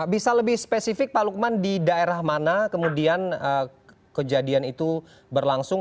bisa lebih spesifik pak lukman di daerah mana kemudian kejadian itu berlangsung